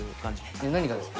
えっ何がですか。